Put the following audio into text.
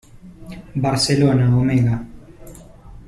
Barcelona, Omega.